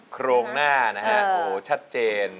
โครงหน้านะฮะโอ้ชัดเจน